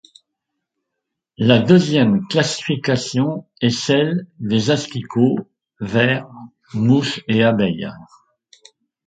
La deuxième classification est celle des asticots, vers, mouches et abeilles.